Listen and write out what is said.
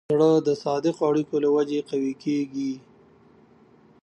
زړه د صادقو اړیکو له وجې قوي کېږي.